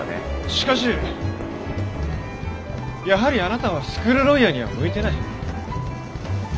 しかしやはりあなたはスクールロイヤーには向いてない。